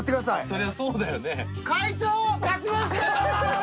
そりゃそうだよね。